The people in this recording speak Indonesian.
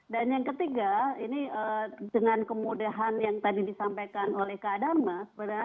dan yang ketiga ini dengan kemudahan yang tadi disampaikan oleh kak adan mbak